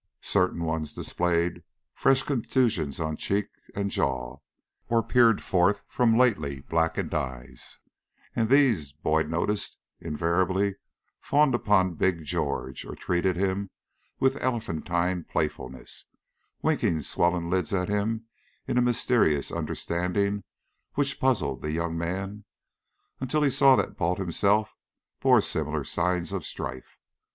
Certain ones displayed fresh contusions on cheek and jaw, or peered forth from lately blackened eyes, and these, Boyd noticed, invariably fawned upon Big George or treated him with elephantine playfulness, winking swollen lids at him in a mysterious understanding which puzzled the young man, until he saw that Balt himself bore similar signs of strife.